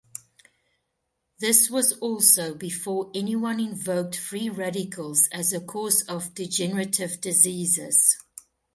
This was also before anyone invoked free radicals as a cause of degenerative diseases.